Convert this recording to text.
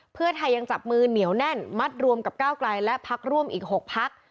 เพื่อไทยยังจับมือเหนียวแน่นมัดรวมกับก้าวไกลและพักร่วมอีก๖พัก